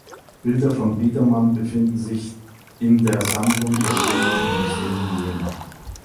Bilder von Biedermann befinden sich in der Sammlung der Städtischen Museen Jena.